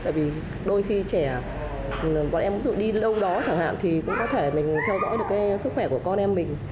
tại vì đôi khi trẻ con em đi lâu đó chẳng hạn thì cũng có thể mình theo dõi được cái sức khỏe của con em mình